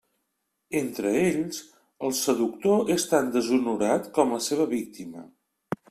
Entre ells, el seductor és tan deshonorat com la seva víctima.